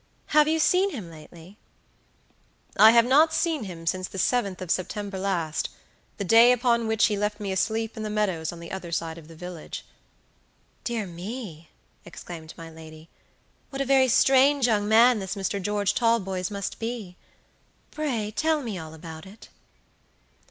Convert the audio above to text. Have you seen him lately?" "I have not seen him since the 7th of September lastthe day upon which he left me asleep in the meadows on the other side of the village." "Dear me!" exclaimed my lady, "what a very strange young man this Mr. George Talboys must be! Pray tell me all about it."